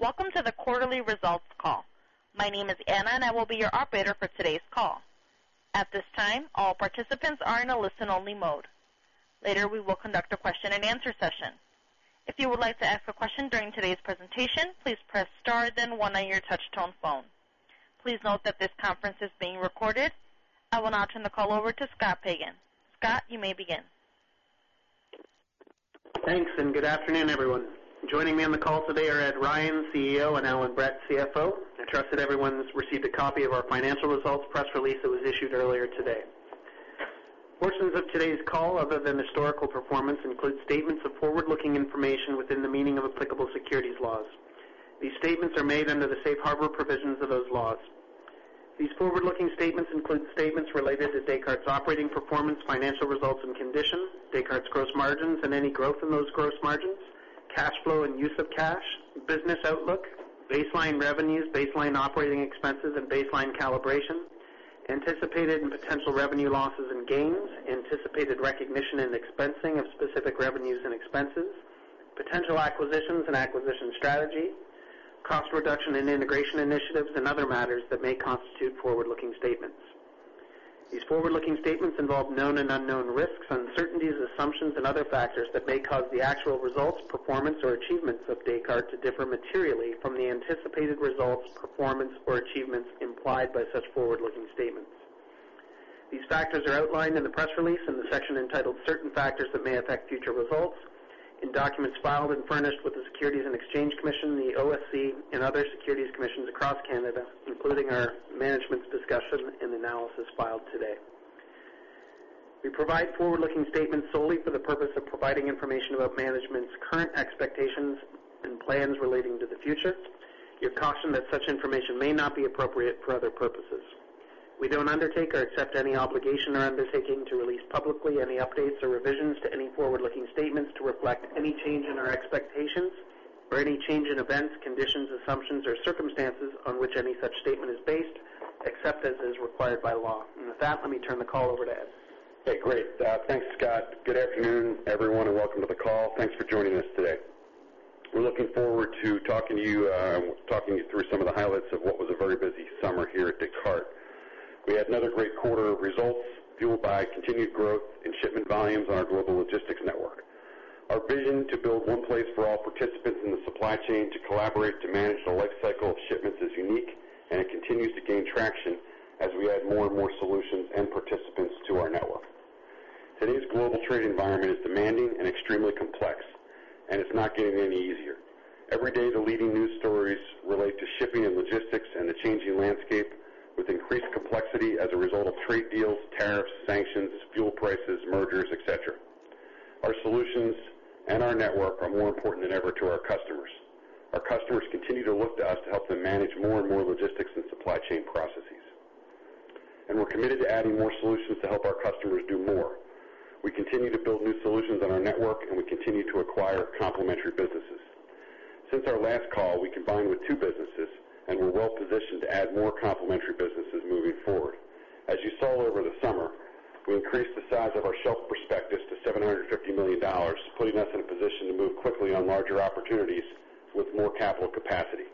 Welcome to the quarterly results call. My name is Anna and I will be your operator for today's call. At this time, all participants are in a listen-only mode. Later, we will conduct a question and answer session. If you would like to ask a question during today's presentation, please press star then one on your touch-tone phone. Please note that this conference is being recorded. I will now turn the call over to Scott Pagan. Scott, you may begin. Thanks. Good afternoon, everyone. Joining me on the call today are Ed Ryan, CEO, and Allan Brett, CFO. I trust that everyone's received a copy of our financial results press release that was issued earlier today. Portions of today's call, other than historical performance, include statements of forward-looking information within the meaning of applicable securities laws. These statements are made under the safe harbor provisions of those laws. These forward-looking statements include statements related to Descartes' operating performance, financial results and conditions, Descartes' gross margins and any growth in those gross margins, cash flow and use of cash, business outlook, baseline revenues, baseline operating expenses and baseline calibration, anticipated and potential revenue losses and gains, anticipated recognition and expensing of specific revenues and expenses, potential acquisitions and acquisition strategy, cost reduction and integration initiatives and other matters that may constitute forward-looking statements. These forward-looking statements involve known and unknown risks, uncertainties, assumptions, and other factors that may cause the actual results, performance, or achievements of Descartes to differ materially from the anticipated results, performance, or achievements implied by such forward-looking statements. These factors are outlined in the press release in the section entitled Certain Factors that May Affect Future Results. In documents filed and furnished with the Securities and Exchange Commission, the OSC, and other securities commissions across Canada, including our management's discussion and analysis filed today. We provide forward-looking statements solely for the purpose of providing information about management's current expectations and plans relating to the future. You're cautioned that such information may not be appropriate for other purposes. We don't undertake or accept any obligation or undertaking to release publicly any updates or revisions to any forward-looking statements to reflect any change in our expectations or any change in events, conditions, assumptions, or circumstances on which any such statement is based, except as is required by law. With that, let me turn the call over to Ed. Great. Thanks, Scott. Good afternoon, everyone, and welcome to the call. Thanks for joining us today. We're looking forward to talking you through some of the highlights of what was a very busy summer here at Descartes. We had another great quarter of results fueled by continued growth in shipment volumes on our global logistics network. Our vision to build one place for all participants in the supply chain to collaborate to manage the life cycle of shipments is unique, and it continues to gain traction as we add more and more solutions and participants to our network. Today's global trade environment is demanding and extremely complex, and it's not getting any easier. Every day, the leading news stories relate to shipping and logistics and the changing landscape with increased complexity as a result of trade deals, tariffs, sanctions, fuel prices, mergers, et cetera. Our solutions and our network are more important than ever to our customers. Our customers continue to look to us to help them manage more and more logistics and supply chain processes. We're committed to adding more solutions to help our customers do more. We continue to build new solutions on our network. We continue to acquire complementary businesses. Since our last call, we combined with two businesses, and we're well-positioned to add more complementary businesses moving forward. As you saw over the summer, we increased the size of our shelf prospectus to $750 million, putting us in a position to move quickly on larger opportunities with more capital capacity.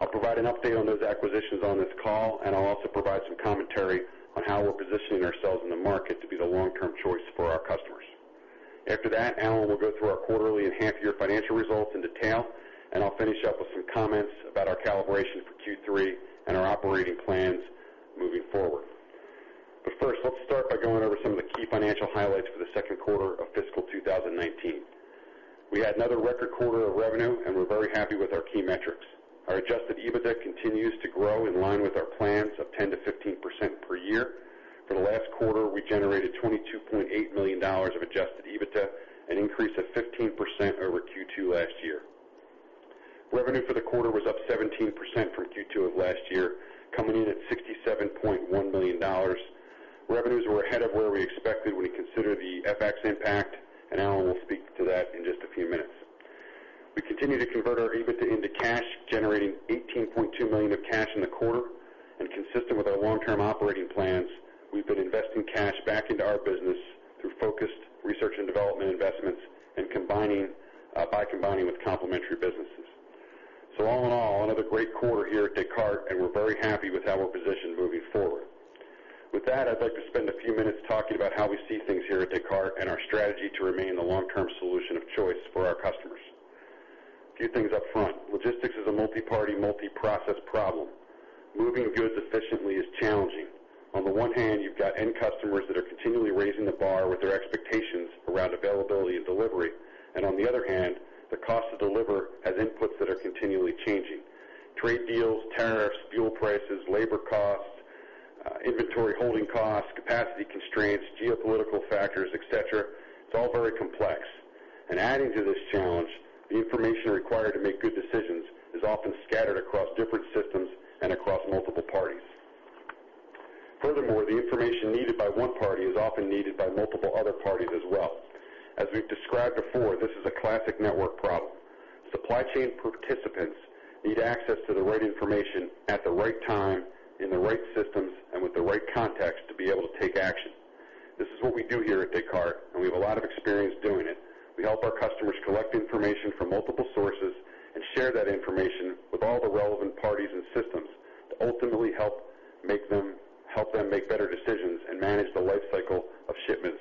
I'll provide an update on those acquisitions on this call. I'll also provide some commentary on how we're positioning ourselves in the market to be the long-term choice for our customers. After that, Allan will go through our quarterly and half-year financial results in detail. I'll finish up with some comments about our calibration for Q3 and our operating plans moving forward. First, let's start by going over some of the key financial highlights for the second quarter of fiscal 2019. We had another record quarter of revenue, and we're very happy with our key metrics. Our adjusted EBITDA continues to grow in line with our plans of 10%-15% per year. For the last quarter, we generated $22.8 million of adjusted EBITDA, an increase of 15% over Q2 last year. Revenue for the quarter was up 17% for Q2 of last year, coming in at $67.1 million. Revenues were ahead of where we expected when you consider the FX impact. Allan will speak to that in just a few minutes. We continue to convert our EBITDA into cash, generating $18.2 million of cash in the quarter. Consistent with our long-term operating plans, we've been investing cash back into our business through focused research and development investments by combining with complementary businesses. All in all, another great quarter here at Descartes, and we're very happy with how we're positioned moving forward. With that, I'd like to spend a few minutes talking about how we see things here at Descartes and our strategy to remain the long-term solution of choice for our customers. A few things up front. Logistics is a multi-party, multi-process problem. Moving goods efficiently is challenging. On the one hand, you've got end customers that are continually raising the bar with their expectations around availability and delivery. On the other hand, the cost to deliver has inputs that are continually changing. Trade deals, tariffs, fuel prices, labor costs, inventory holding costs, capacity constraints, geopolitical factors, et cetera, it's all very complex. Adding to this challenge, the information required to make good decisions is often scattered across different systems and across multiple parties. Furthermore, the information needed by one party is often needed by multiple other parties as well. As we've described before, this is a classic network problem. Supply chain participants need access to the right information at the right time, in the right systems, and with the right context to be able to take action. This is what we do here at Descartes, we have a lot of experience doing it. We help our customers collect information from multiple sources and share that information with all the relevant parties and systems to ultimately help them make better decisions and manage the life cycle of shipments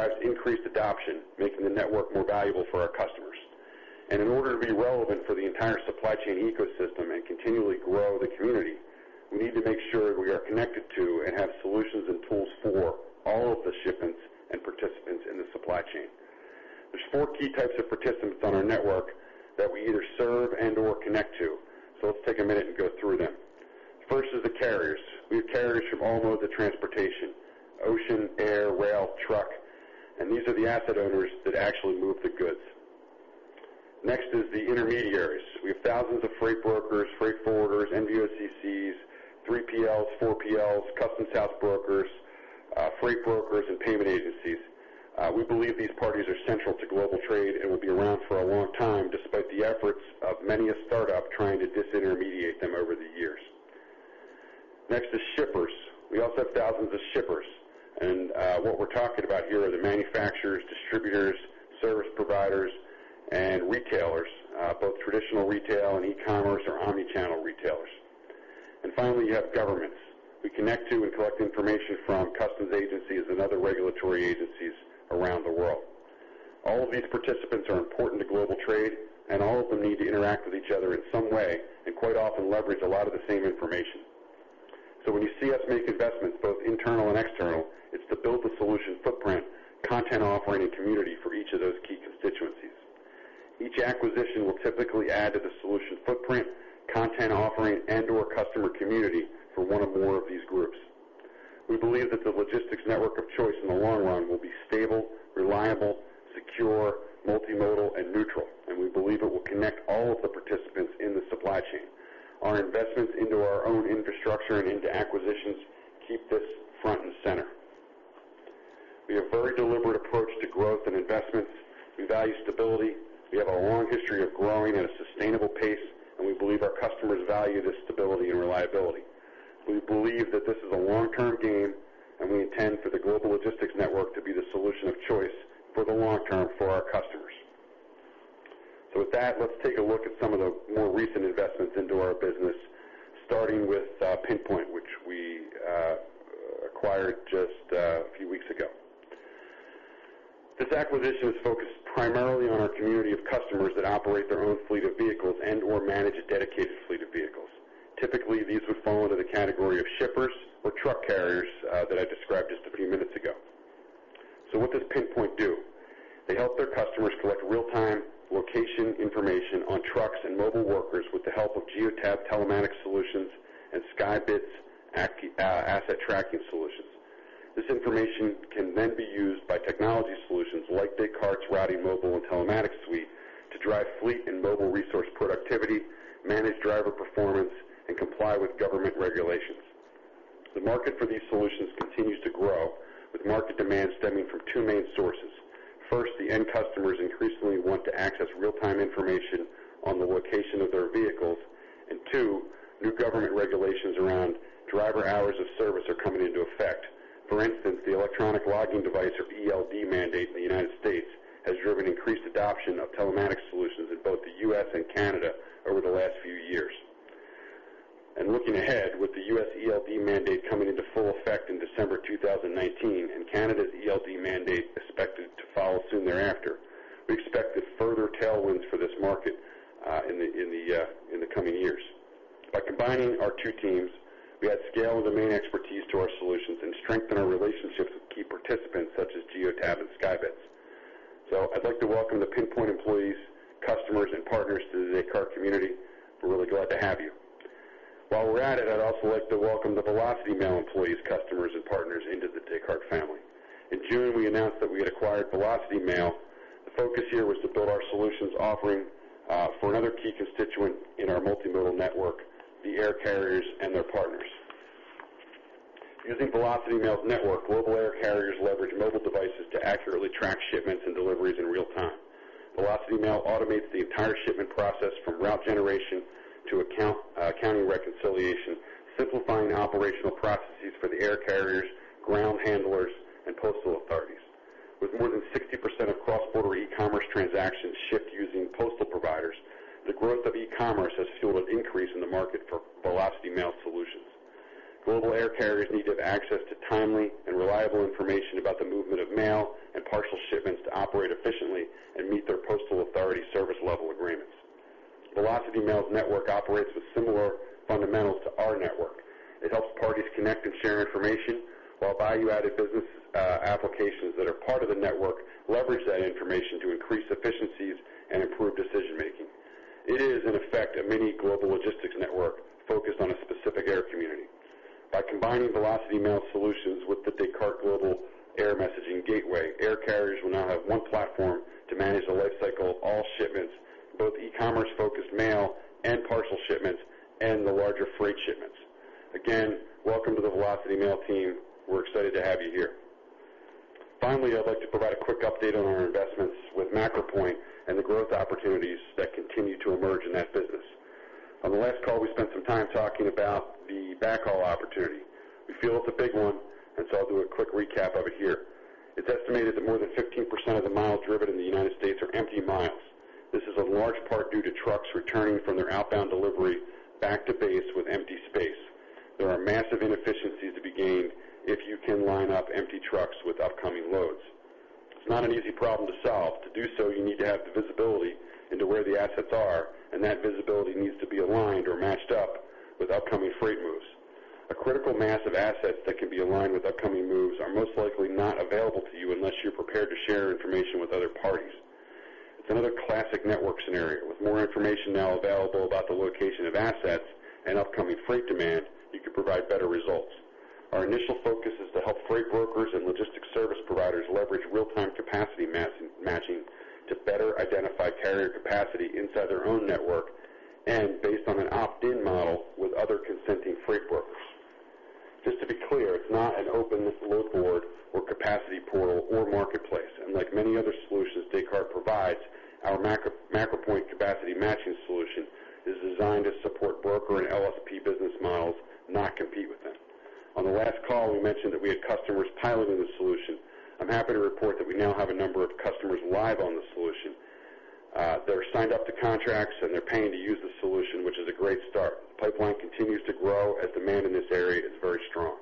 more efficiently. More parties, content, and solutions on the network drives increased adoption, making the network more valuable for our customers. In order to be relevant for the entire supply chain ecosystem and continually grow the community, we need to make sure we are connected to and have solutions and tools for all of the shipments and participants in the supply chain. There are 4 key types of participants on our network that we either serve and/or connect to, so let's take a minute and go through them. First is the carriers. We have carriers from all modes of transportation: ocean, air, rail, truck, and these are the asset owners that actually move the goods. Next is the intermediaries. We have thousands of freight brokers, freight forwarders, NVOCCs, 3PLs, 4PLs, customs house brokers, freight brokers, and payment agencies. We believe these parties are central to global trade and will be around for a long time, despite the efforts of many a startup trying to disintermediate them over the years. Next is shippers. We also have thousands of shippers. What we're talking about here are the manufacturers, distributors, service providers, and retailers, both traditional retail and e-commerce or omni-channel retailers. Finally, you have governments. We connect to and collect information from customs agencies and other regulatory agencies around the world. All of these participants are important to global trade, all of them need to interact with each other in some way, quite often leverage a lot of the same information. When you see us make investments, both internal and external, it's to build the solution footprint, content offering, and community for each of those key constituencies. Each acquisition will typically add to the solution footprint, content offering, and/or customer community for one or more of these groups. We believe that the logistics network of choice in the long run will be stable, reliable, secure, multimodal, and neutral, we believe it will connect all of the participants in the supply chain. Our investments into our own infrastructure and into acquisitions keep this front and center. We have a very deliberate approach to growth and investments. We value stability. We have a long history of growing at a sustainable pace, we believe our customers value this stability and reliability. We believe that this is a long-term game, we intend for the global logistics network to be the solution of choice for the long term for our customers. With that, let's take a look at some of the more recent investments into our business, starting with PinPoint, which we acquired just a few weeks ago. This acquisition is focused primarily on our community of customers that operate their own fleet of vehicles and/or manage a dedicated fleet of vehicles. Typically, these would fall into the category of shippers or truck carriers that I described just a few minutes ago. What does PinPoint do? They help their customers collect real-time location information on trucks and mobile workers with the help of Geotab telematics solutions and SkyBitz's asset tracking solutions. This information can then be used by technology solutions like Descartes' Routing, Mobile & Telematics suite to drive fleet and mobile resource productivity, manage driver performance, and comply with government regulations. The market for these solutions continues to grow, with market demand stemming from two main sources. First, the end customers increasingly want to access real-time information on the location of their vehicles. Two, new government regulations around driver hours of service are coming into effect. For instance, the electronic logging device, or ELD mandate in the U.S., has driven increased adoption of telematics solutions in both the U.S. and Canada over the last few years. Looking ahead, with the U.S. ELD mandate coming into full effect in December 2019 and Canada's ELD mandate expected to follow soon thereafter, we expect further tailwinds for this market in the coming years. By combining our two teams, we add scale and domain expertise to our solutions and strengthen our relationships with key participants such as Geotab and SkyBitz. I'd like to welcome the PinPoint employees, customers, and partners to the Descartes community. We're really glad to have you. While we're at it, I'd also like to welcome the Velocity Mail employees, customers, and partners into the Descartes family. In June, we announced that we had acquired Velocity Mail. The focus here was to build our solutions offering for another key constituent in our multimodal network, the air carriers and their partners. Using Velocity Mail's network, global air carriers leverage mobile devices to accurately track shipments and deliveries in real time. Velocity Mail automates the entire shipment process from route generation to accounting reconciliation, simplifying the operational processes for the air carriers, ground handlers, and postal authorities. With more than 60% of cross-border e-commerce transactions shipped using postal providers, the growth of e-commerce has fueled an increase in the market for Velocity Mail solutions. Global air carriers need to have access to timely and reliable information about the movement of mail and parcel shipments to operate efficiently and meet their postal authority service level agreements. Velocity Mail's network operates with similar fundamentals to our network. It helps parties connect and share information, while value-added business applications that are part of the network leverage that information to increase efficiencies and improve decision-making. It is, in effect, a mini global logistics network focused on a specific air community. By combining Velocity Mail solutions with the Descartes Global Air Messaging Gateway, air carriers will now have one platform to manage the life cycle of all shipments, both e-commerce-focused mail and parcel shipments, and the larger freight shipments. Again, welcome to the Velocity Mail team. We're excited to have you here. I'd like to provide a quick update on our investments with MacroPoint and the growth opportunities that continue to emerge in that business. On the last call, we spent some time talking about the backhaul opportunity. We feel it's a big one. I'll do a quick recap of it here. It's estimated that more than 15% of the miles driven in the U.S. are empty miles. This is in large part due to trucks returning from their outbound delivery back to base with empty space. There are massive inefficiencies to be gained if you can line up empty trucks with upcoming loads. It's not an easy problem to solve. To do so, you need to have the visibility into where the assets are, and that visibility needs to be aligned or matched up with upcoming freight moves. A critical mass of assets that can be aligned with upcoming moves are most likely not available to you unless you're prepared to share information with other parties. It's another classic network scenario. With more information now available about the location of assets and upcoming freight demand, you can provide better results. Our initial focus is to help freight brokers and logistics service providers leverage real-time capacity matching to better identify carrier capacity inside their own network, and based on an opt-in model with other consenting freight brokers. Just to be clear, it's not an open load board or capacity portal or marketplace. Like many other solutions Descartes provides, our MacroPoint capacity matching solution is designed to support broker and LSP business models, not compete with them. On the last call, we mentioned that we had customers piloting the solution. I'm happy to report that we now have a number of customers live on the solution. They're signed up to contracts, and they're paying to use the solution, which is a great start. Pipeline continues to grow as demand in this area is very strong.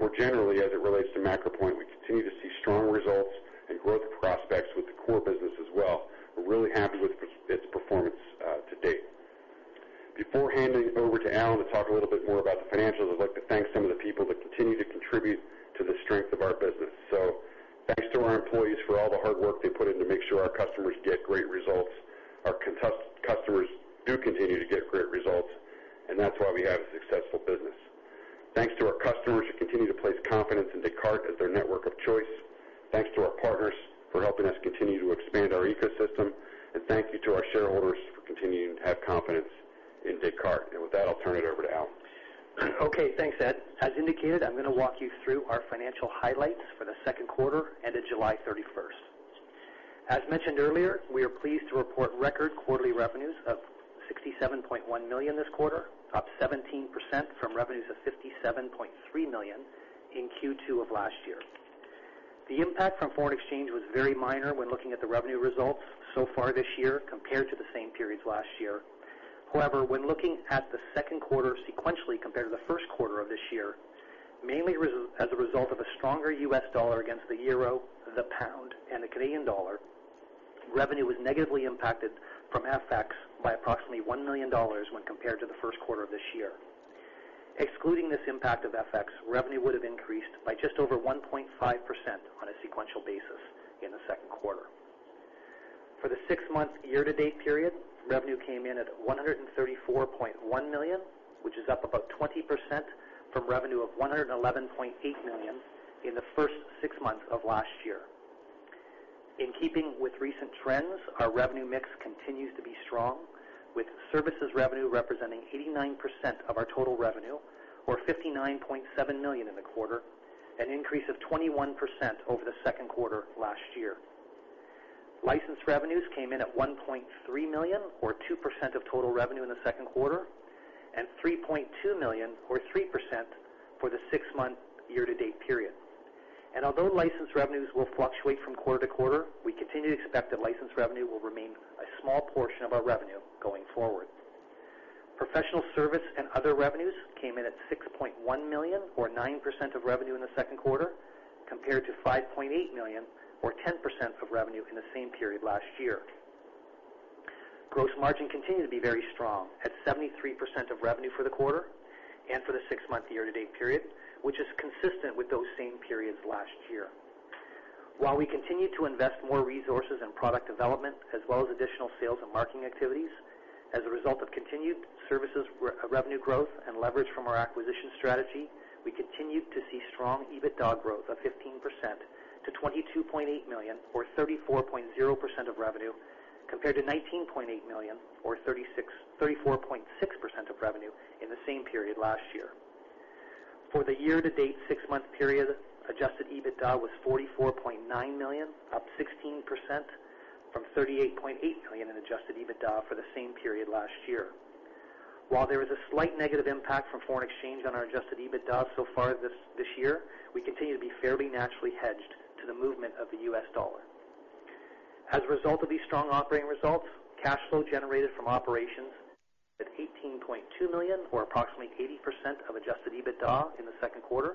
More generally, as it relates to MacroPoint, we continue to see strong results and growth prospects with the core business as well. We're really happy with its performance to date. Before handing it over to Allan to talk a little bit more about the financials, I'd like to thank some of the people that continue to contribute to the strength of our business. Thanks to our employees for all the hard work they put in to make sure our customers get great results. Our customers do continue to get great results, and that's why we have a successful business. Thanks to our customers who continue to place confidence in Descartes as their network of choice. Thanks to our partners for helping us continue to expand our ecosystem. Thank you to our shareholders for continuing to have confidence in Descartes. With that, I'll turn it over to Allan. Okay. Thanks, Ed. As indicated, I'm going to walk you through our financial highlights for the second quarter ended July 31st. As mentioned earlier, we are pleased to report record quarterly revenues of $67.1 million this quarter, up 17% from revenues of $57.3 million in Q2 of last year. The impact from foreign exchange was very minor when looking at the revenue results so far this year compared to the same periods last year. However, when looking at the second quarter sequentially compared to the first quarter of this year, mainly as a result of a stronger US dollar against the euro, the pound, and the Canadian dollar, revenue was negatively impacted from FX by approximately $1 million when compared to the first quarter of this year. Excluding this impact of FX, revenue would have increased by just over 1.5% on a sequential basis in the second quarter. For the six-month year-to-date period, revenue came in at $134.1 million, which is up about 20% from revenue of $111.8 million in the first six months of last year. In keeping with recent trends, our revenue mix continues to be strong, with services revenue representing 89% of our total revenue, or $59.7 million in the quarter, an increase of 21% over the second quarter last year. License revenues came in at $1.3 million, or 2% of total revenue in the second quarter, and $3.2 million or 3% for the six-month year-to-date period. Although license revenues will fluctuate from quarter to quarter, we continue to expect that license revenue will remain a small portion of our revenue going forward. Professional service and other revenues came in at $6.1 million, or 9% of revenue in the second quarter, compared to $5.8 million, or 10% of revenue in the same period last year. Gross margin continued to be very strong at 73% of revenue for the quarter and for the six-month year-to-date period, which is consistent with those same periods last year. While we continue to invest more resources in product development as well as additional sales and marketing activities, as a result of continued services revenue growth and leverage from our acquisition strategy, we continued to see strong EBITDA growth of 15% to $22.8 million or 34.0% of revenue, compared to $19.8 million or 34.6% of revenue in the same period last year. For the year-to-date six-month period, adjusted EBITDA was $44.9 million, up 16% from $38.8 million in adjusted EBITDA for the same period last year. While there was a slight negative impact from foreign exchange on our adjusted EBITDA so far this year, we continue to be fairly naturally hedged to the movement of the US dollar. As a result of these strong operating results, cash flow generated from operations at $18.2 million or approximately 80% of adjusted EBITDA in the second quarter,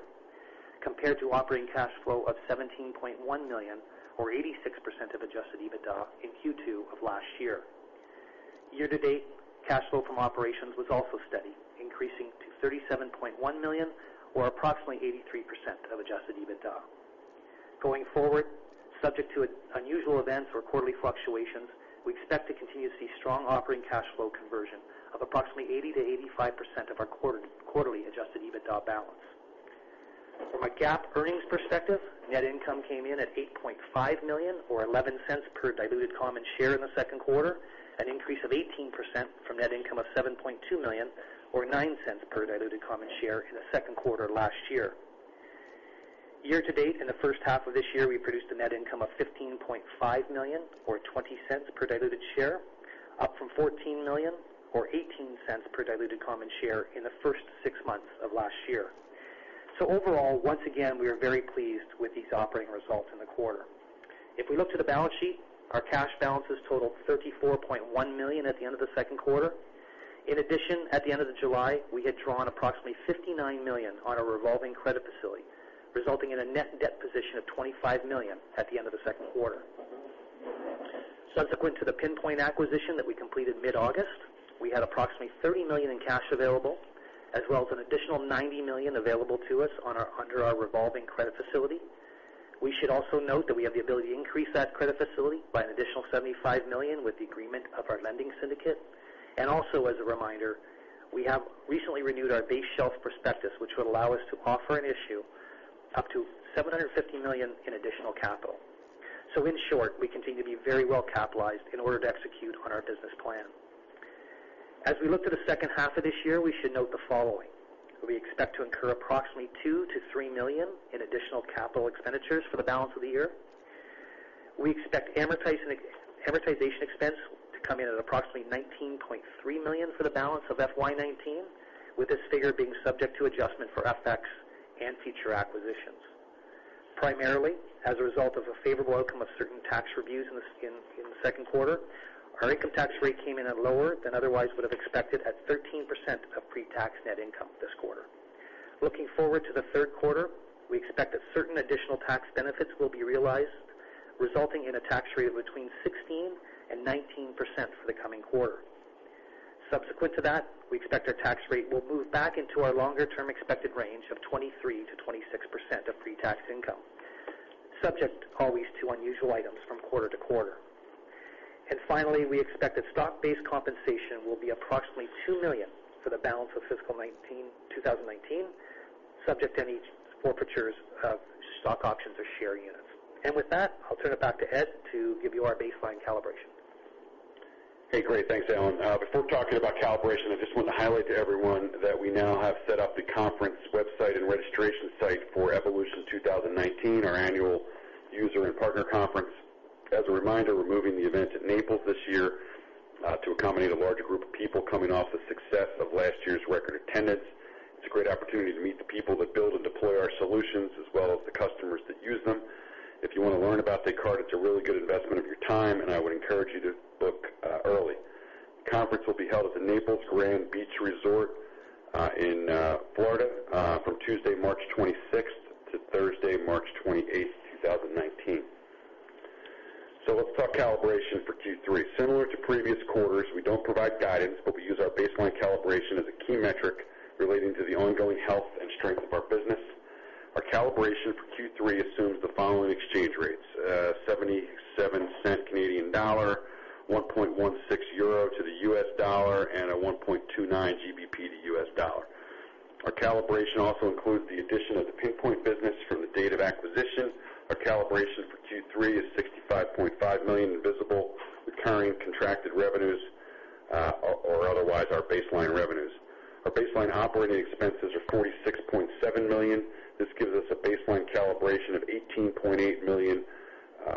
compared to operating cash flow of $17.1 million or 86% of adjusted EBITDA in Q2 of last year. Year-to-date cash flow from operations was also steady, increasing to $37.1 million or approximately 83% of adjusted EBITDA. Going forward, subject to unusual events or quarterly fluctuations, we expect to continue to see strong operating cash flow conversion of approximately 80%-85% of our quarterly adjusted EBITDA balance. From a GAAP earnings perspective, net income came in at ($8.5 million) or $0.11 per diluted common share in the second quarter, an increase of 18% from net income of $7.2 million or $0.09 per diluted common share in the second quarter last year. Year-to-date in the first half of this year, we produced a net income of $15.5 million or $0.20 per diluted share, up from $14 million or $0.18 per diluted common share in the first six months of last year. Overall, once again, we are very pleased with these operating results in the quarter. If we look to the balance sheet, our cash balances totaled $34.1 million at the end of the second quarter. In addition, at the end of July, we had drawn approximately $59 million on a revolving credit facility, resulting in a net debt position of $25 million at the end of the second quarter. Subsequent to the PinPoint acquisition that we completed mid-August, we had approximately $30 million in cash available, as well as an additional $90 million available to us under our revolving credit facility. We should also note that we have the ability to increase that credit facility by an additional $75 million with the agreement of our lending syndicate. Also as a reminder, we have recently renewed our base shelf prospectus, which would allow us to offer and issue up to $750 million in additional capital. In short, we continue to be very well capitalized in order to execute on our business plan. As we look to the second half of this year, we should note the following. We expect to incur approximately $2 million-$3 million in additional capital expenditures for the balance of the year. We expect amortization expense to come in at approximately $19.3 million for the balance of FY 2019, with this figure being subject to adjustment for FX and future acquisitions. Primarily as a result of a favorable outcome of certain tax reviews in the second quarter, our income tax rate came in at lower than otherwise would have expected at 13% of pre-tax net income this quarter. Looking forward to the third quarter, we expect that certain additional tax benefits will be realized, resulting in a tax rate of between 16%-19% for the coming quarter. Subsequent to that, we expect our tax rate will move back into our longer-term expected range of 23%-26% of pre-tax income, subject always to unusual items from quarter to quarter. Finally, we expect that stock-based compensation will be approximately $2 million for the balance of fiscal 2019, subject to any forfeitures of stock options or share units. With that, I'll turn it back to Ed to give you our baseline calibration. Hey, great. Thanks, Allan. Before talking about calibration, I just want to highlight to everyone that we now have set up the conference website and registration site for Evolution 2019, our annual user and partner conference. As a reminder, we're moving the event to Naples this year to accommodate a larger group of people coming off the success of last year's record attendance. It's a great opportunity to meet the people that build and deploy our solutions as well as the customers that use them. If you want to learn about Descartes, it's a really good investment of your time, and I would encourage you to book early. The conference will be held at the Naples Grand Beach Resort in Florida from Tuesday, March 26th to Thursday, March 28th, 2019. Let's talk calibration for Q3. Similar to previous quarters, we don't provide guidance, but we use our baseline calibration as a key metric relating to the ongoing health and strength of our business. Our calibration for Q3 assumes the following exchange rates: $0.77 CAD, $1.16 EUR to the US dollar, and a $1.29 GBP to US dollar. Our calibration also includes the addition of the PinPoint business from the date of acquisition. Our calibration for Q3 is $65.5 million in visible recurring contracted revenues, or otherwise our baseline revenues. Our baseline operating expenses are $46.7 million. This gives us a baseline calibration of $18.8 million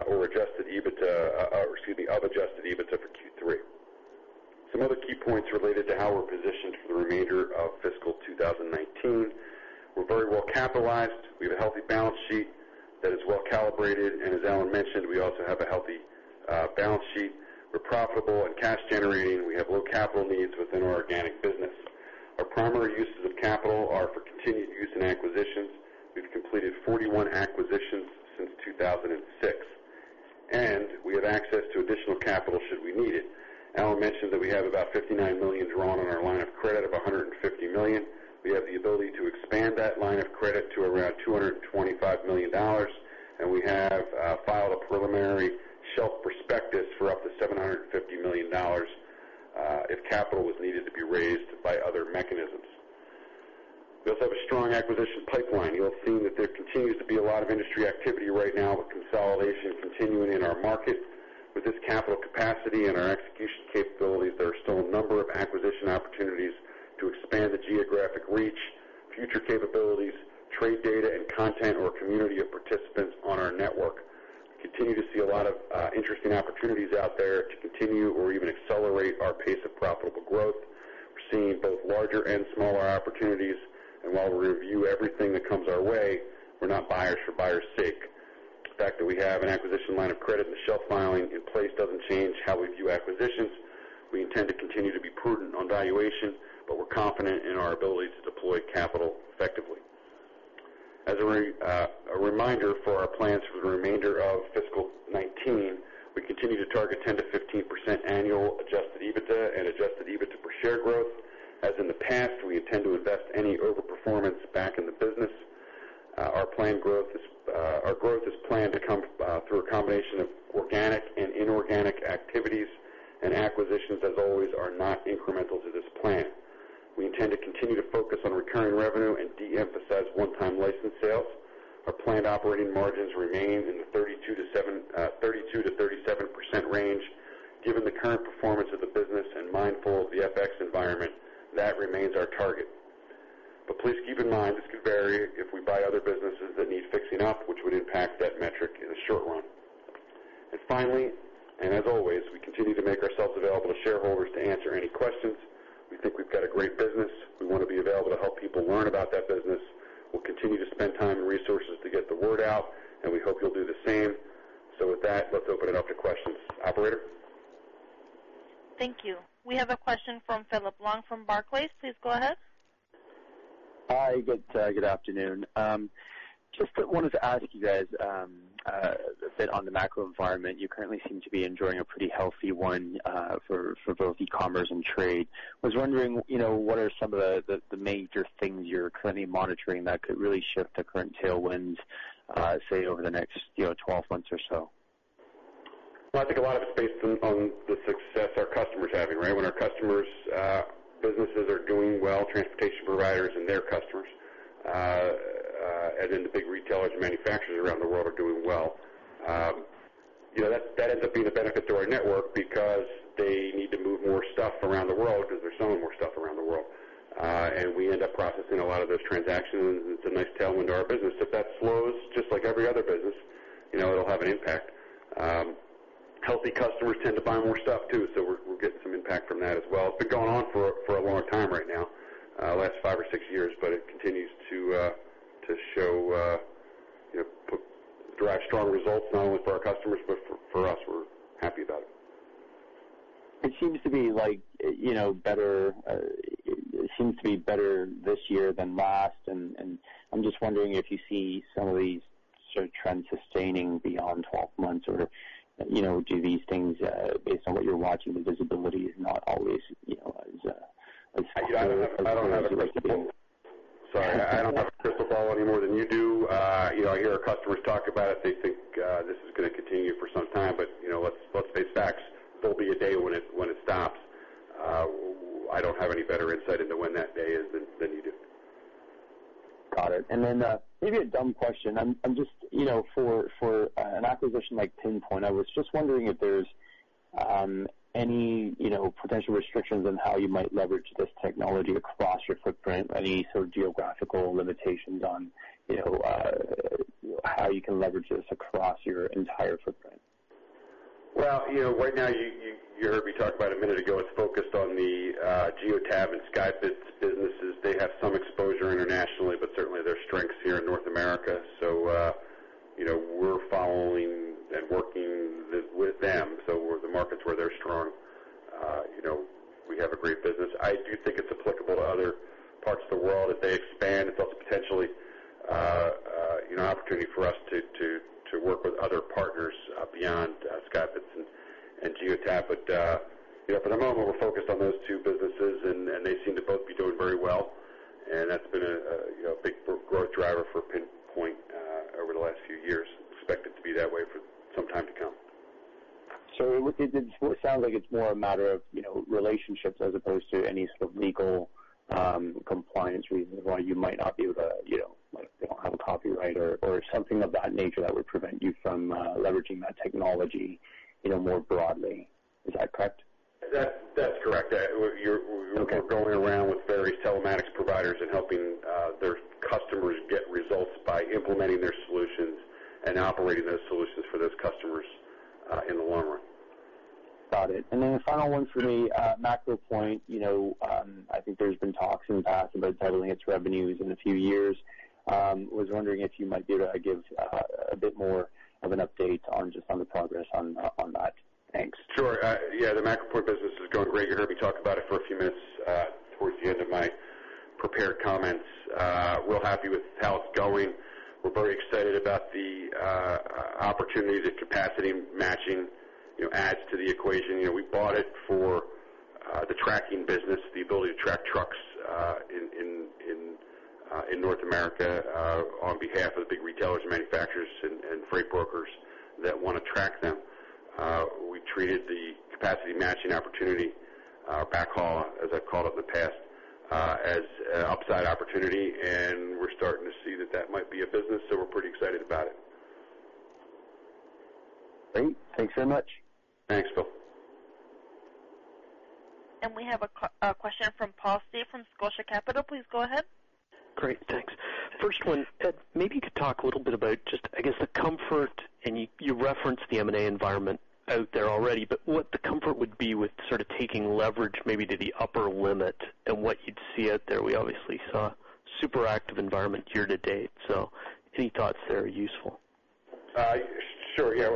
of adjusted EBITDA for Q3. Some other key points related to how we're positioned for the remainder of fiscal 2019. We're very well capitalized. We have a healthy balance sheet that is well calibrated, and as Allan mentioned, we also have a healthy balance sheet. We're profitable and cash generating. We have low capital needs within our organic business. Our primary uses of capital are for continued use in acquisitions. We've completed 41 acquisitions since 2006, and we have access to additional capital should we need it. Allan mentioned that we have about $59 million drawn on our line of credit of $150 million. We have the ability to expand that line of credit to around $225 million, and we have filed a preliminary shelf prospectus for up to $750 million if capital was needed to be raised by other mechanisms. We also have a strong acquisition pipeline. You'll have seen that there continues to be a lot of industry activity right now with consolidation continuing in our market. With this capital capacity and our execution capabilities, there are still a number of acquisition opportunities to expand the geographic reach, future capabilities, trade data, and content or community of participants on our network. We continue to see a lot of interesting opportunities out there to continue or even accelerate our pace of profitable growth. We're seeing both larger and smaller opportunities, and while we review everything that comes our way, we're not buyers for buyers' sake. The fact that we have an acquisition line of credit and the shelf filing in place doesn't change how we view acquisitions. We intend to continue to be prudent on valuation, but we're confident in our ability to deploy capital effectively. As a reminder for our plans for the remainder of fiscal 2019, we continue to target 10%-15% annual adjusted EBITDA and adjusted EBITDA per share growth. As in the past, we intend to invest any overperformance back in the business. Our growth is planned to come through a combination of organic and inorganic activities, and acquisitions, as always, are not incremental to this plan. We intend to continue to focus on recurring revenue and de-emphasize one-time license sales. Our planned operating margins remain in the 32%-37% range. Given the current performance of the business and mindful of the FX environment, that remains our target. Please keep in mind, this could vary if we buy other businesses that need fixing up, which would impact that metric in the short run. Finally, and as always, we continue to make ourselves available to shareholders to answer any questions. We think we've got a great business. We want to be available to help people learn about that business. We'll continue to spend time and resources to get the word out, and we hope you'll do the same. With that, let's open it up to questions. Operator? Thank you. We have a question from Phillip Long from Barclays. Please go ahead. Hi. Good afternoon. Just wanted to ask you guys a bit on the macro environment. You currently seem to be enjoying a pretty healthy one for both e-commerce and trade. Was wondering, what are some of the major things you're currently monitoring that could really shift the current tailwinds, say, over the next 12 months or so? Well, I think a lot of it's based on the success our customers are having. When our customers' businesses are doing well, transportation providers and their customers, as in the big retailers and manufacturers around the world, are doing well. That ends up being a benefit to our network because they need to move more stuff around the world because they're selling more stuff around the world. We end up processing a lot of those transactions, and it's a nice tailwind to our business. If that slows, just like every other business, it'll have an impact. Healthy customers tend to buy more stuff, too, so we're getting some impact from that as well. It's been going on for a long time right now, the last five or six years, but it continues to drive strong results, not only for our customers, but for us. We're happy about it. It seems to be better this year than last, I'm just wondering if you see some of these trends sustaining beyond 12 months. Do these things, based on what you're watching, the visibility is not always as clear. I don't have a crystal ball. Sorry, I don't have a crystal ball any more than you do. I hear our customers talk about it. They think this is going to continue for some time, let's face facts. There'll be a day when it stops. I don't have any better insight into when that day is than you do. Got it. Maybe a dumb question. For an acquisition like PinPoint, I was just wondering if there's any potential restrictions on how you might leverage this technology across your footprint. Any sort of geographical limitations on how you can leverage this across your entire footprint? Well, right now, you heard me talk about a minute ago, it's focused on the Geotab and SkyBitz businesses. They have some exposure internationally, but certainly their strength's here in North America. We're following and working with them. The markets where they're strong. We have a great business. I do think it's applicable to other parts of the world. As they expand, it's also potentially an opportunity for us to work with other partners beyond SkyBitz and Geotab. For the moment, we're focused on those two businesses, and they seem to both be doing very well. That's been a big growth driver for PinPoint over the last few years. Expect it to be that way for some time to come. It sounds like it's more a matter of relationships as opposed to any sort of legal compliance reasons why you might not be able to. Like they don't have a copyright or something of that nature that would prevent you from leveraging that technology more broadly. Is that correct? That's correct. Okay. We're going around with various telematics providers and helping their customers get results by implementing their solutions and operating those solutions for those customers in the long run. Got it. A final one for me. MacroPoint, I think there's been talks in the past about doubling its revenues in a few years. Was wondering if you might be able to give a bit more of an update on just on the progress on that? Sure. Yeah, the MacroPoint business is going great. You heard me talk about it for a few minutes towards the end of my prepared comments. Real happy with how it's going. We're very excited about the opportunities that capacity matching adds to the equation. We bought it for the tracking business, the ability to track trucks in North America on behalf of the big retailers and manufacturers and freight brokers that want to track them. We treated the capacity matching opportunity, backhaul, as I've called it in the past, as an upside opportunity. We're starting to see that that might be a business. We're pretty excited about it. Great. Thanks so much. Thanks, Phil. We have a question from Paul Steep from Scotia Capital. Please go ahead. Great. Thanks. First one, Ed, maybe you could talk a little bit about just, I guess, the comfort, and you referenced the M&A environment out there already, but what the comfort would be with sort of taking leverage maybe to the upper limit and what you'd see out there. We obviously saw super active environment year to date. Any thoughts there are useful. Sure. Yeah.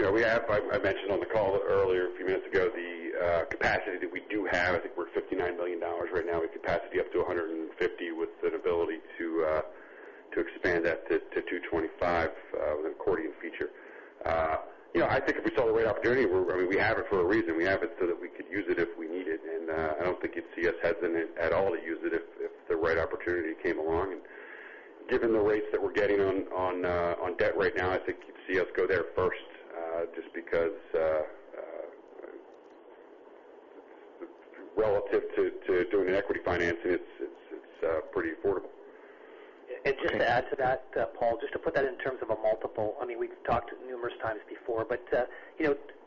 I mentioned on the call earlier, a few minutes ago, the capacity that we do have, I think we're $59 million right now with capacity up to 150 million with an ability to expand that to 225 million with an accordion feature. I think if we saw the right opportunity, we have it for a reason. We have it so that we could use it if we need it, and I don't think you'd see us hesitant at all to use it if the right opportunity came along and Given the rates that we're getting on debt right now, I think you'd see us go there first, just because relative to doing an equity financing, it's pretty affordable. Just to add to that, Paul, just to put that in terms of a multiple. We've talked numerous times before, but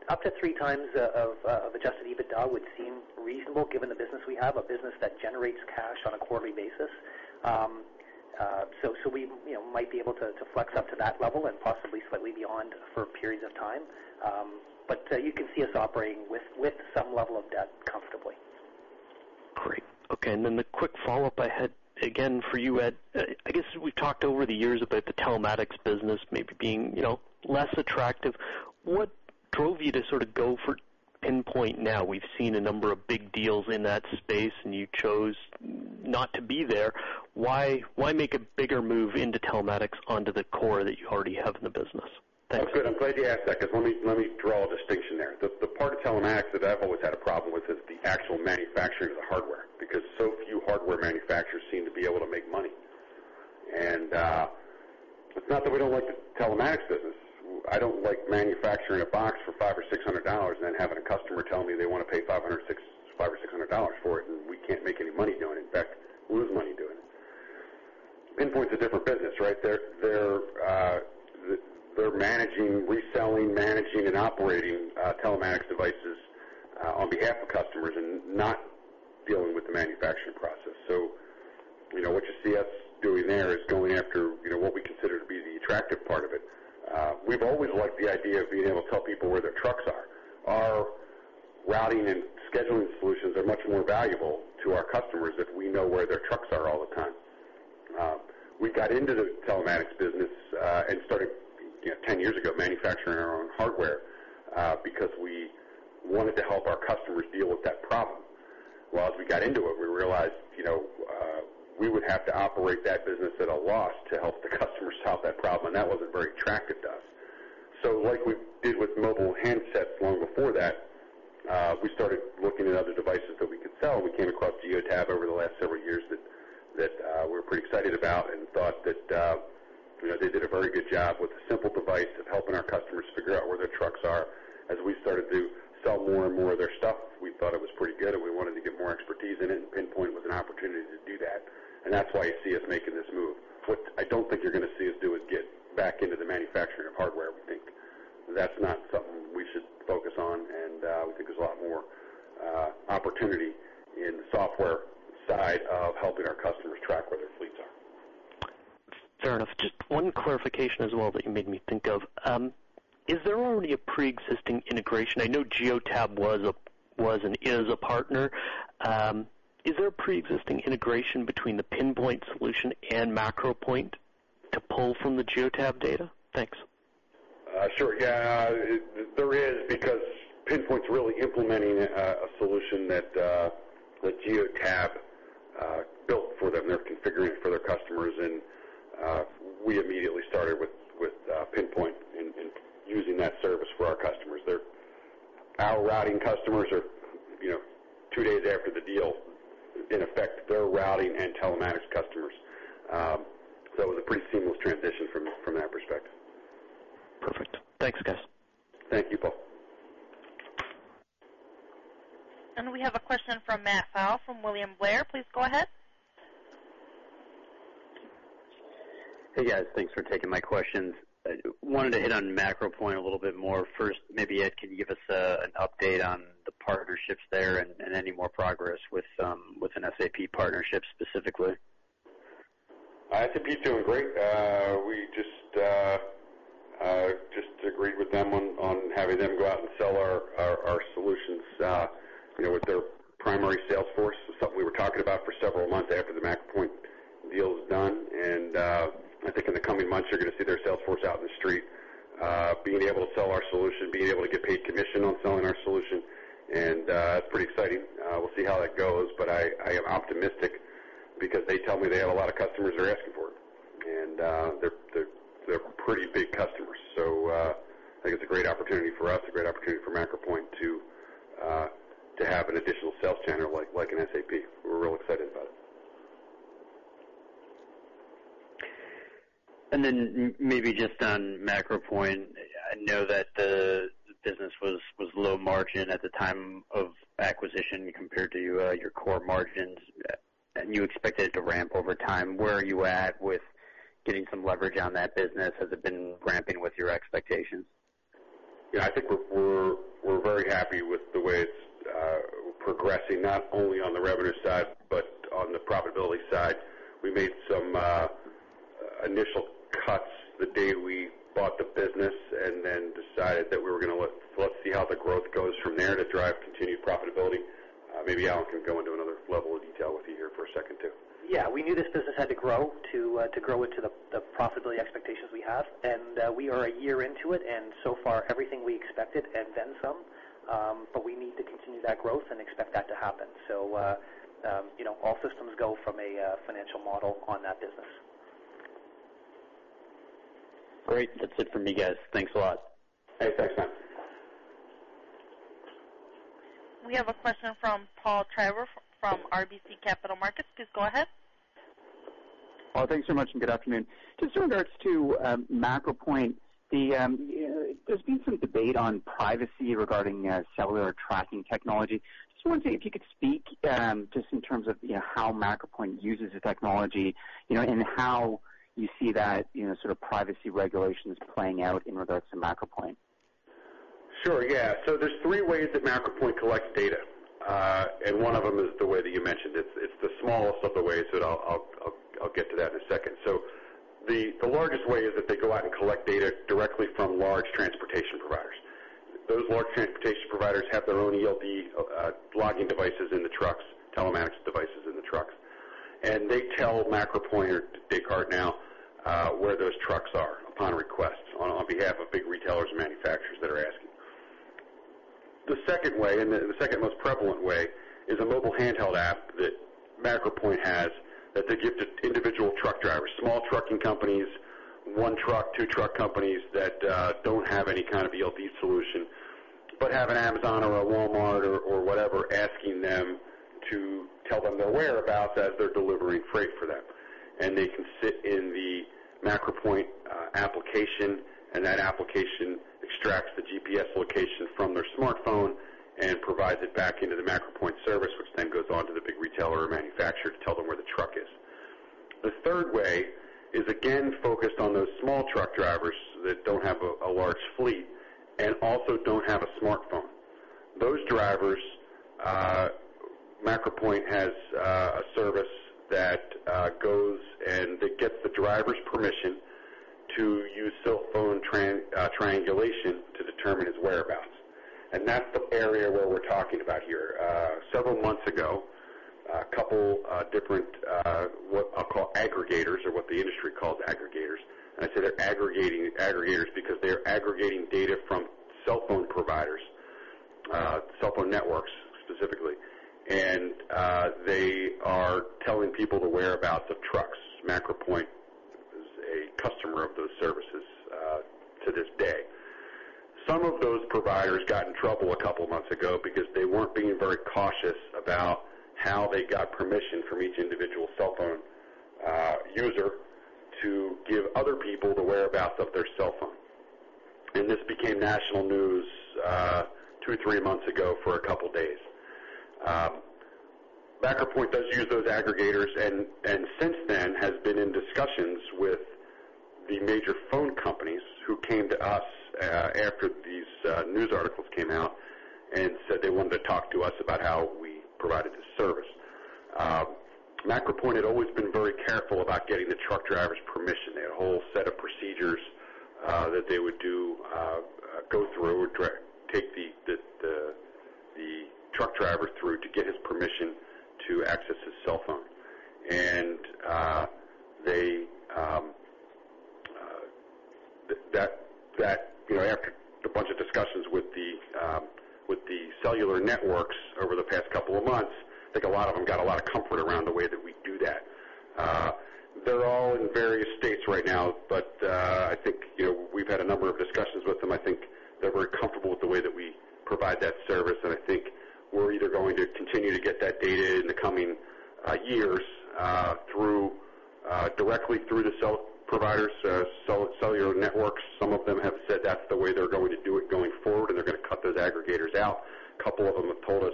up to three times of adjusted EBITDA would seem reasonable given the business we have, a business that generates cash on a quarterly basis. We might be able to flex up to that level and possibly slightly beyond for periods of time. You can see us operating with some level of debt comfortably. Great. Okay, the quick follow-up I had, again, for you, Ed. I guess we've talked over the years about the telematics business maybe being less attractive. What drove you to go for PinPoint now? We've seen a number of big deals in that space, and you chose not to be there. Why make a bigger move into telematics onto the core that you already have in the business? Thanks. That's good. I'm glad you asked that, because let me draw a distinction there. The part of telematics that I've always had a problem with is the actual manufacturing of the hardware, because so few hardware manufacturers seem to be able to make money. It's not that we don't like the telematics business. I don't like manufacturing a box for $500 or $600 and then having a customer tell me they want to pay $500 or $600 for it, and we can't make any money doing it. In fact, we lose money doing it. PinPoint's a different business, right? They're reselling, managing, and operating telematics devices on behalf of customers and not dealing with the manufacturing process. What you see us doing there is going after what we consider to be the attractive part of it. We've always liked the idea of being able to tell people where their trucks are. Our routing and scheduling solutions are much more valuable to our customers if we know where their trucks are all the time. We got into the telematics business and started 10 years ago manufacturing our own hardware because we wanted to help our customers deal with that problem. Well, as we got into it, we realized we would have to operate that business at a loss to help the customers solve that problem, and that wasn't very attractive to us. Like we did with mobile handsets long before that, we started looking at other devices that we could sell, and we came across Geotab over the last several years that we're pretty excited about and thought that they did a very good job with a simple device of helping our customers figure out where their trucks are. As we started to sell more and more of their stuff, we thought it was pretty good and we wanted to get more expertise in it. PinPoint was an opportunity to do that's why you see us making this move. What I don't think you're going to see us do is get back into the manufacturing of hardware. We think that's not something we should focus on, we think there's a lot more opportunity in the software side of helping our customers track where their fleets are. Fair enough. Just one clarification as well that you made me think of. Is there already a preexisting integration? I know Geotab was and is a partner. Is there a preexisting integration between the PinPoint solution and MacroPoint to pull from the Geotab data? Thanks. Sure. Yeah, there is because PinPoint's really implementing a solution that Geotab built for them. They're configuring it for their customers, and we immediately started with PinPoint and using that service for our customers. Our routing customers are two days after the deal. In effect, they're routing and telematics customers. It was a pretty seamless transition from that perspective. Perfect. Thanks, guys. Thank you, Paul. We have a question from Matt Pfau from William Blair. Please go ahead. Hey, guys, thanks for taking my questions. I wanted to hit on MacroPoint a little bit more first. Maybe, Ed, can you give us an update on the partnerships there and any more progress with an SAP partnership specifically? SAP's doing great. We just agreed with them on having them go out and sell our solutions with their primary sales force. It's something we were talking about for several months after the MacroPoint deal was done. I think in the coming months, you're going to see their sales force out in the street being able to sell our solution, being able to get paid commission on selling our solution. That's pretty exciting. We'll see how that goes, but I am optimistic because they tell me they have a lot of customers that are asking for it. They're pretty big customers. I think it's a great opportunity for us, a great opportunity for MacroPoint to have an additional sales channel like an SAP. We're real excited about it. Then maybe just on MacroPoint, I know that the business was low margin at the time of acquisition compared to your core margins. You expected it to ramp over time. Where are you at with getting some leverage on that business? Has it been ramping with your expectations? Yeah, I think we're very happy with the way it's progressing, not only on the revenue side, but on the profitability side. We made some initial cuts the day we bought the business and then decided that we were going to let's see how the growth goes from there to drive continued profitability. Maybe Allan can go into another level of detail with you here for a second, too. Yeah, we knew this business had to grow to grow into the profitability expectations we have. And we are a year into it, and so far, everything we expected and then some. But we need to continue that growth and expect that to happen. So, all systems go from a financial model on that business. Great. That's it from me, guys. Thanks a lot. Thanks. Thanks, Matt. We have a question from Paul Treiber from RBC Capital Markets. Please go ahead. Paul, thanks so much, good afternoon. Just in regards to MacroPoint, there's been some debate on privacy regarding cellular tracking technology. Just wondering if you could speak just in terms of how MacroPoint uses the technology, and how you see that sort of privacy regulations playing out in regards to MacroPoint. Sure, yeah. There's three ways that MacroPoint collects data. One of them is the way that you mentioned. It's the smallest of the ways, and I'll get to that in a second. The largest way is that they go out and collect data directly from large transportation providers. Those large transportation providers have their own ELD logging devices in the trucks, telematics devices in the trucks, and they tell MacroPoint or Descartes now, where those trucks are upon request, on behalf of big retailers and manufacturers that are asking. The second way, the second most prevalent way, is a mobile handheld app that MacroPoint has that they give to individual truck drivers, small trucking companies, one truck, two truck companies that don't have any kind of ELD solution, but have an Amazon or a Walmart or whatever asking them to tell them their whereabouts as they're delivering freight for them. They can sit in the MacroPoint application, and that application extracts the GPS location from their smartphone and provides it back into the MacroPoint service, which then goes on to the big retailer or manufacturer to tell them where the truck is. The third way is again focused on those small truck drivers that don't have a large fleet and also don't have a smartphone. Those drivers, MacroPoint has a service that goes and gets the driver's permission to use cell phone triangulation to determine his whereabouts. That's the area where we're talking about here. Several months ago, a couple different, what I'll call aggregators, or what the industry calls aggregators. I say they're aggregators because they're aggregating data from cell phone providers, cell phone networks specifically. They are telling people the whereabouts of trucks. MacroPoint is a customer of those services to this day. Some of those providers got in trouble a couple of months ago because they weren't being very cautious about how they got permission from each individual cell phone user to give other people the whereabouts of their cell phone. This became national news two to three months ago for a couple of days. MacroPoint does use those aggregators. Since then has been in discussions with the major phone companies who came to us after these news articles came out and said they wanted to talk to us about how we provided the service. MacroPoint had always been very careful about getting the truck drivers' permission. They had a whole set of procedures that they would go through or take the truck driver through to get his permission to access his cell phone. After a bunch of discussions with the cellular networks over the past couple of months, I think a lot of them got a lot of comfort around the way that we do that. They're all in various states right now, but I think we've had a number of discussions with them. I think they're very comfortable with the way that we provide that service. I think we're either going to continue to get that data in the coming years directly through the cell providers, cellular networks. Some of them have said that's the way they're going to do it going forward, and they're going to cut those aggregators out. A couple of them have told us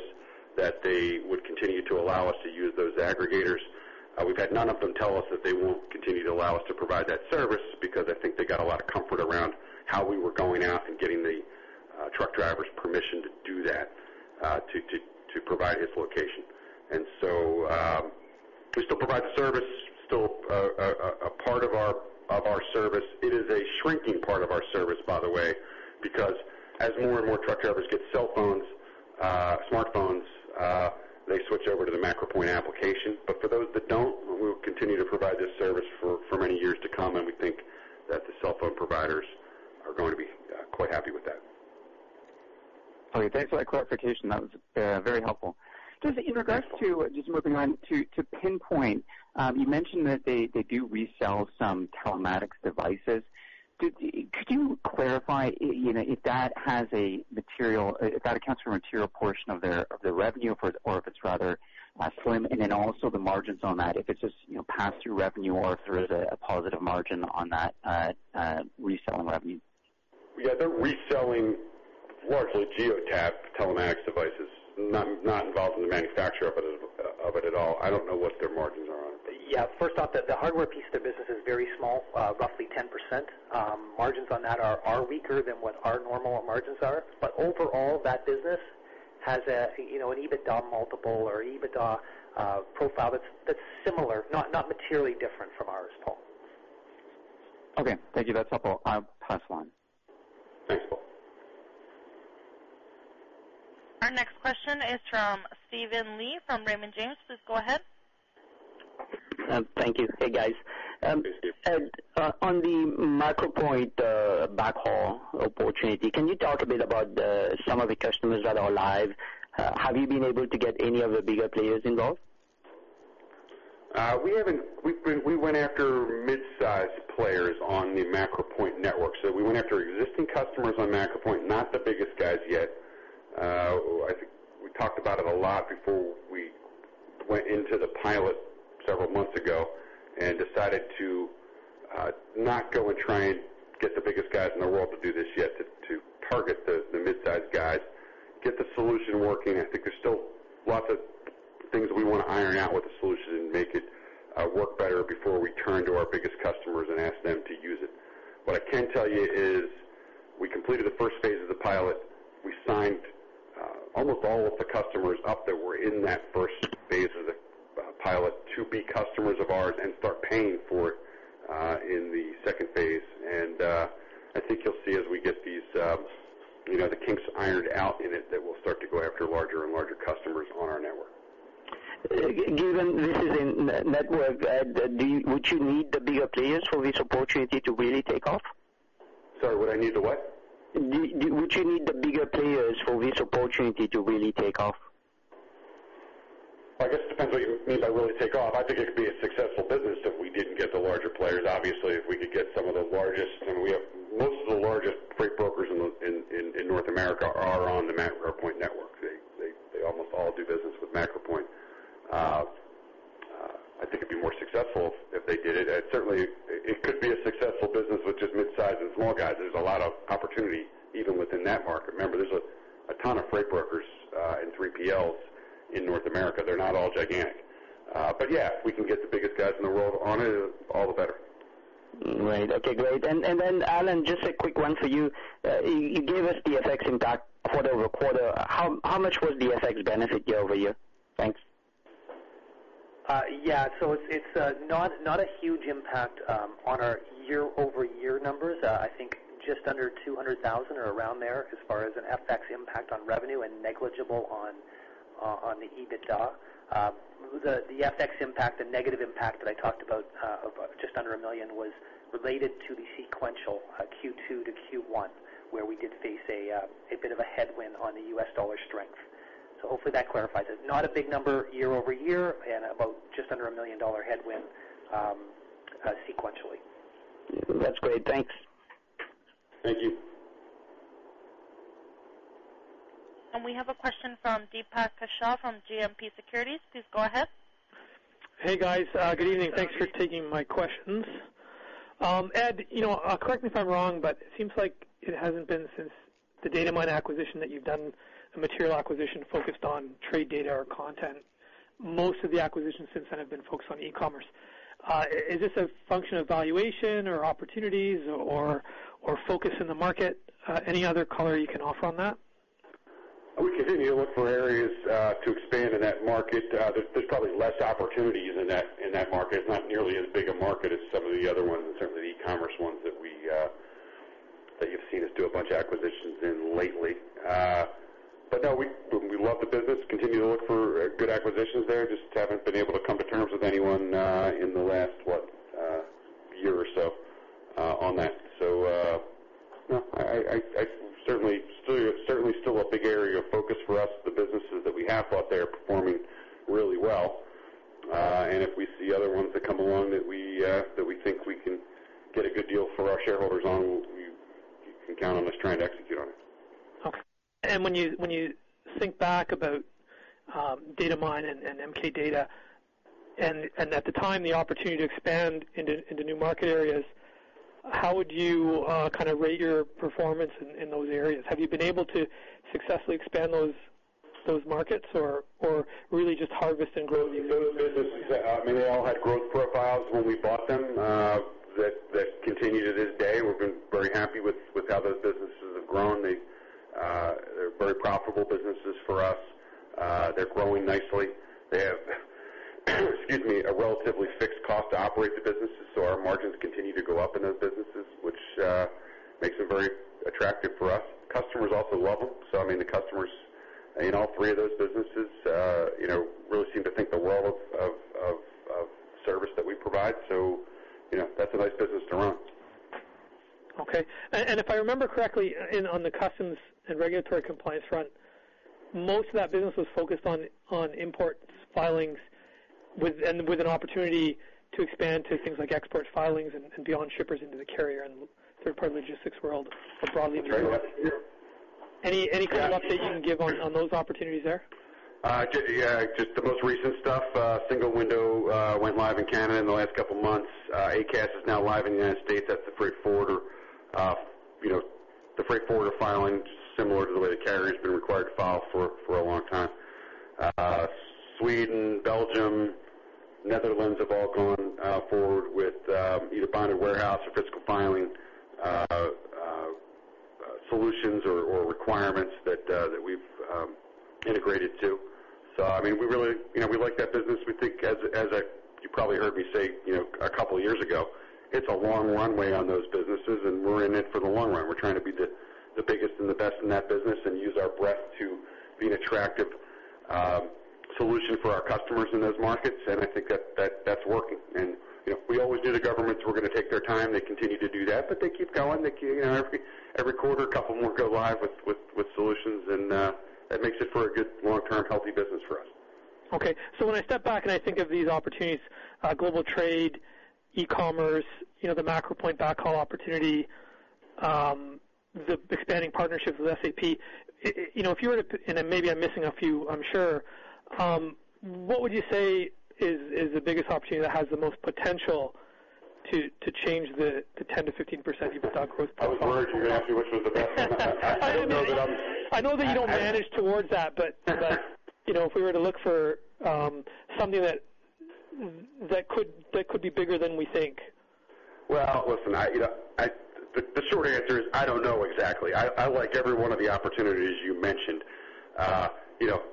that they would continue to allow us to use those aggregators. We've had none of them tell us that they won't continue to allow us to provide that service because I think they got a lot of comfort around how we were going out and getting the truck driver's permission to do that, to provide his location. We still provide the service, still a part of our service. It is a shrinking part of our service, by the way, because as more and more truck drivers get cell phones, smartphones, they switch over to the MacroPoint application. For those that don't, we will continue to provide this service for many years to come, and we think that the cell phone providers are going to be quite happy with that. Okay, thanks for that clarification. That was very helpful. Moving on to PinPoint, you mentioned that they do resell some telematics devices. Could you clarify if that accounts for a material portion of their revenue or if it's rather slim? Also, the margins on that, if it's just pass-through revenue or if there is a positive margin on that reselling revenue. Yeah, they're reselling largely Geotab telematics devices, not involved in the manufacture of it at all. I don't know what their margins are on it. Yeah, first off, the hardware piece of the business is very small, roughly 10%. Margins on that are weaker than what our normal margins are. Overall, that business has an EBITDA multiple or EBITDA profile that's similar, not materially different from ours, Paul. Okay. Thank you. That's helpful. I'll pass along. Thanks, Paul. Our next question is from Steven Li from Raymond James. Please go ahead. Thank you. Hey, guys. Hey, Steven. Ed, on the MacroPoint backhaul opportunity, can you talk a bit about some of the customers that are live? Have you been able to get any of the bigger players involved? We went after midsize players on the MacroPoint network. We went after existing customers on MacroPoint, not the biggest guys yet. I think we talked about it a lot before we went into the pilot several months ago and decided to not go and try and get the biggest guys in the world to do this yet, to target the midsize guys, get the solution working. I think there's still lots of things we want to iron out with the solution and make it work better before we turn to our biggest customers and ask them to use it. What I can tell you is we completed the first phase of the pilot. We signed almost all of the customers up that were in that first phase of the pilot to be customers of ours and start paying for it in the second phase. I think you'll see as we get the kinks ironed out in it, that we'll start to go after larger and larger customers on our network. Given this is a network, would you need the bigger players for this opportunity to really take off? Sorry, would I need the what? Would you need the bigger players for this opportunity to really take off? I guess it depends what you mean by really take off. I think it could be a successful business if we didn't get the larger players. Obviously, if we could get some of the largest. Most of the largest freight brokers in North America are on the MacroPoint network. They almost all do business with MacroPoint. I think it'd be more successful if they did it. Certainly, it could be a successful business with just midsize and small guys. There's a lot of opportunity even within that market. Remember, there's a ton of freight brokers and 3PLs in North America. They're not all gigantic. Yeah, if we can get the biggest guys in the world on it, all the better. Right. Okay, great. Then Allan, just a quick one for you. You gave us the FX impact quarter-over-quarter. How much was the FX benefit year-over-year? Thanks. Yeah. It's not a huge impact on our year-over-year numbers. I think just under 200,000 or around there as far as an FX impact on revenue and negligible on the EBITDA. The FX impact, the negative impact that I talked about of just under $1 million was related to the sequential Q2 to Q1, where we did face a bit of a headwind on the US dollar strength. Hopefully that clarifies it. Not a big number year-over-year and about just under a $1 million-dollar headwind sequentially. That's great. Thanks. Thank you. We have a question from Deepak Kaushal from GMP Securities. Please go ahead. Hey, guys. Good evening. Thanks for taking my questions. Ed, correct me if I'm wrong, it seems like it hasn't been since the Datamyne acquisition that you've done a material acquisition focused on trade data or content. Most of the acquisitions since then have been focused on e-commerce. Is this a function of valuation or opportunities or focus in the market? Any other color you can offer on that? We continue to look for areas to expand in that market. There's probably less opportunities in that market. It's not nearly as big a market as some of the other ones, and certainly the e-commerce ones that you've seen us do a bunch of acquisitions in lately. No, we love the business, continue to look for good acquisitions there. Just haven't been able to come to terms with anyone in the last, what, year or so on that. It's certainly still a big area of focus for us. The businesses that we have out there are performing really well. If we see other ones that come along that we think we can get a good deal for our shareholders on, you can count on us trying to execute on it. Okay. When you think back about Datamyne and MK Data, at the time, the opportunity to expand into new market areas, how would you rate your performance in those areas? Have you been able to successfully expand those markets or really just harvest and grow these businesses? Those businesses, they all had growth profiles when we bought them that continue to this day. We've been very happy with how those businesses have grown. They're very profitable businesses for us. They're growing nicely. They have, excuse me, a relatively fixed cost to operate the businesses, our margins continue to go up in those businesses, which makes them very attractive for us. Customers also love them. The customers in all three of those businesses really seem to think the world of service that we provide. That's a nice business to run. Okay. If I remember correctly, on the customs and regulatory compliance front, most of that business was focused on imports filings and with an opportunity to expand to things like export filings and beyond shippers into the carrier and third-party logistics world more broadly. That's right. Any kind of update you can give on those opportunities there? Yeah, just the most recent stuff. Single Window went live in Canada in the last couple of months. ACAS is now live in the United States. That's the freight forwarder filing, similar to the way the carrier's been required to file for a long time. Sweden, Belgium, Netherlands have all gone forward with either bonded warehouse or fiscal filing solutions or requirements that we've integrated to. We like that business. We think, as you probably heard me say a couple of years ago, it's a long runway on those businesses. We're in it for the long run. We're trying to be the biggest and the best in that business and use our breadth to be an attractive solution for our customers in those markets. I think that's worked. We always knew the governments were going to take their time. They continue to do that, they keep going. Every quarter, a couple more go live with solutions, that makes it for a good long-term healthy business for us. Okay. When I step back and I think of these opportunities, global trade, e-commerce, the MacroPoint backhaul opportunity, the expanding partnerships with SAP, and maybe I'm missing a few, I'm sure. What would you say is the biggest opportunity that has the most potential to change the 10%-15% EPS growth? I was worried you were going to ask me which was the best one. I know that you don't manage towards that, if we were to look for something that could be bigger than we think. Well, listen, the short answer is I don't know exactly. I like every one of the opportunities you mentioned.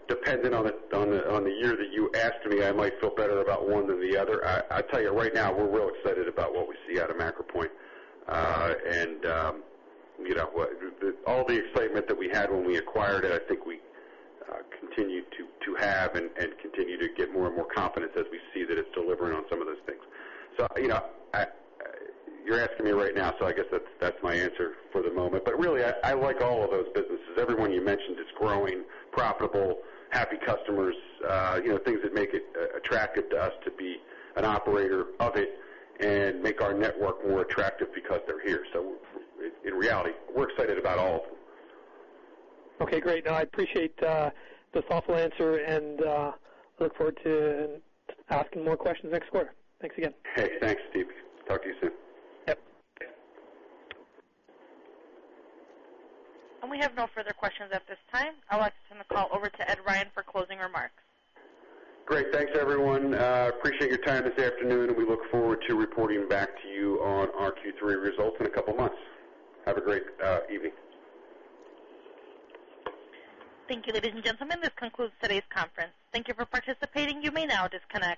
Depending on the year that you ask me, I might feel better about one than the other. I tell you right now, we're real excited about what we see out of MacroPoint. All the excitement that we had when we acquired it, I think we continue to have and continue to get more and more confidence as we see that it's delivering on some of those things. You're asking me right now, so I guess that's my answer for the moment. Really, I like all of those businesses. Every one you mentioned is growing, profitable, happy customers, things that make it attractive to us to be an operator of it and make our network more attractive because they're here. In reality, we're excited about all of them. Okay, great. No, I appreciate the thoughtful answer and look forward to asking more questions next quarter. Thanks again. Hey, thanks, Steven. Talk to you soon. Yep. We have no further questions at this time. I'll like to turn the call over to Ed Ryan for closing remarks. Great. Thanks, everyone. Appreciate your time this afternoon, and we look forward to reporting back to you on our Q3 results in a couple of months. Have a great evening. Thank you, ladies and gentlemen. This concludes today's conference. Thank you for participating. You may now disconnect.